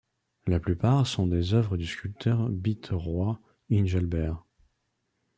La plupart sont des œuvres du sculpteur biterrois Injalbert.